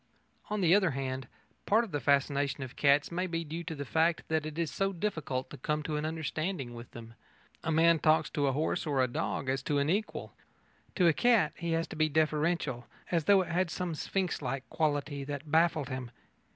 On the other hand, part of the fascination of cats may be due to the fact that it is so difficult to come to an understanding with them. A man talks to a horse or a dog as to an equal. To a cat he has to be deferential as though it had some Sphinx like quality that baffled him.